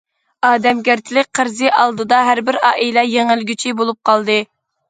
ئادەمگەرچىلىك قەرزى ئالدىدا، ھەر بىر ئائىلە يېڭىلگۈچى بولۇپ قالدى.